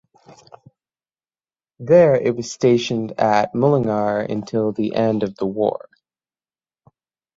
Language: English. There it was stationed at Mullingar until the end of the war.